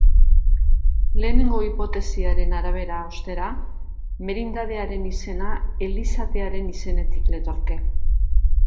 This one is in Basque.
Lehenengo hipotesiaren arabera, ostera, merindadearen izena elizatearen izenetik letorke.